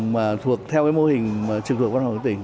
mà thuộc theo cái mô hình trực thuộc văn phòng ủy ban tỉnh